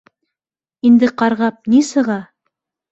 Инде ҡарғап ни сыға?